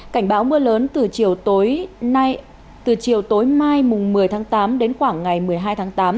cảnh báo mưa lớn từ chiều tối mai một mươi tháng tám đến khoảng ngày một mươi hai tháng tám